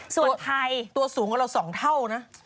ส่วนไทยตัวสูงกว่าเรา๒เท่านะ